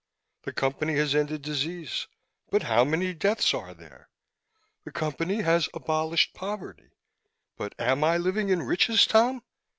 The Company has ended disease. But how many deaths are there? The Company has abolished poverty. But am I living in riches, Tom?